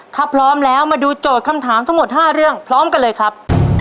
ถ้าพร้อมแล้วมาดูโจทย์คำถามทั้งหมด๕เรื่องพร้อมกันเลยครับ